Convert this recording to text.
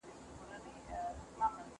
د جلات خان ناره مي اوس هم په خوله ده.